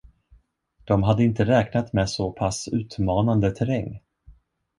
De hade inte räknat med såpass utmanande terräng.